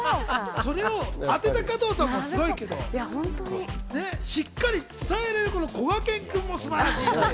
それを当てた加藤さんもすごいけどしっかり伝えられるこがけん君もすごいのよ。